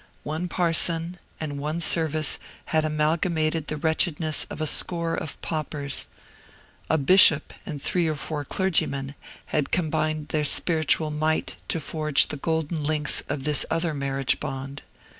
One parson and one service had amalgamated the wretchedness of a score of paupers; a Bishop and three or four clergymen had combined their spiritual might to forge the golden links of this other marriage bond.